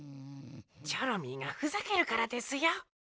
チョロミーがふざけるからですよ。